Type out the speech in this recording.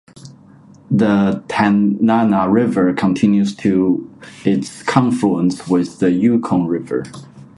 The Tanana River continues to its confluence with the Yukon River.